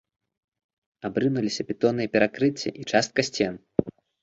Абрынуліся бетонныя перакрыцці і частка сцен.